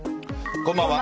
こんばんは。